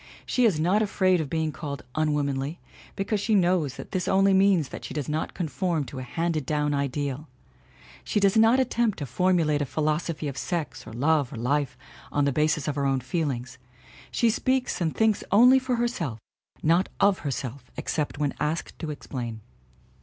She is not afraid of being called unwomanly, because she knows that this only means that she does not conform to a handed down ideal. She does not attempt to formulate a philosophy of sex or love or life on the basis of her own feelings. She speaks and thinks only for herself not of herself except when asked to explain.